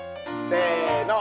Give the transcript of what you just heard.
せの！